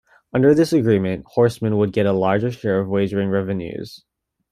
Under this agreement, horsemen would get a larger share of wagering revenues.